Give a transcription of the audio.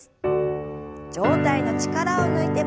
上体の力を抜いて前に。